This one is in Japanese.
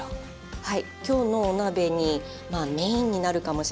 はい。